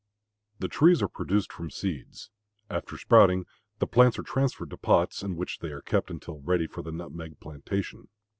The trees are produced from seeds. After sprouting the plants are transferred to pots, in which they are kept until ready for the nutmeg plantation.